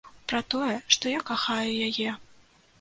Пра тое, што я кахаю яе.